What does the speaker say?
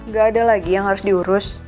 gak ada lagi yang harus diurus